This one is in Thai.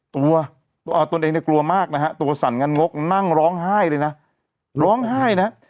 ตัวตนเองเนี่ยกลัวมากนะฮะตัวสั่นงานงกนั่งร้องไห้เลยนะร้องไห้นะฮะ